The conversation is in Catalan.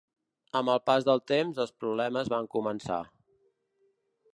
Amb el pas del temps, els problemes van començar.